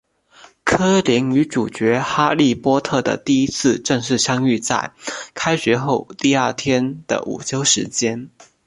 柯林与主角哈利波特的第一次正式相遇在开学后第二天的午休时间。